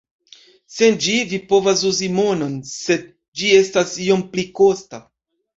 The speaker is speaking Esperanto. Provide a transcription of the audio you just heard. Sen ĝi, vi povas uzi monon, sed ĝi estas iom pli kosta.